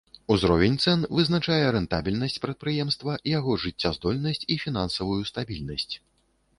Узровень цэн вызначае рэнтабельнасць прадпрыемства, яго жыццяздольнасць і фінансавую стабільнасць.